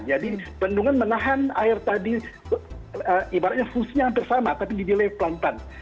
jadi bendungan menahan air tadi ibaratnya fungsinya hampir sama tapi di delay pelan pelan